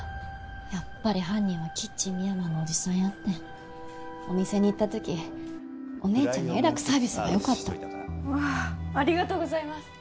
やっぱり犯人はキッチンみやまのおじさんやってんお店に行った時お姉ちゃんにえらくサービスがよかったわあありがとうございます